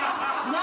何？